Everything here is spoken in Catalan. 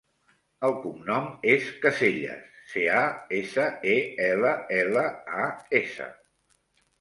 El cognom és Casellas: ce, a, essa, e, ela, ela, a, essa.